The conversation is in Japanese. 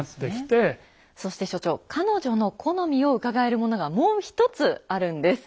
そして所長彼女の好みをうかがえるものがもう一つあるんです。